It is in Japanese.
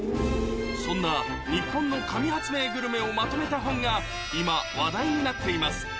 そんな日本の神発明グルメをまとめた本が今話題になっています